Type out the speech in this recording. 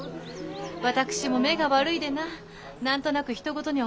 私も目が悪いでな何となくひと事には思えぬゆえ。